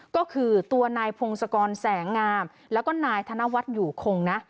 ก็คือตัวนายพงศกรแสงงามแล้วก็นายธนวัฒน์อยู่คงนะ